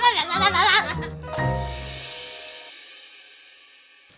ini apaan sih